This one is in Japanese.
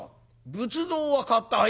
仏像は買ったが」。